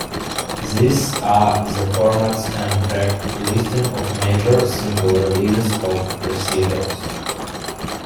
These are the formats and track listings of major single releases of "Precious"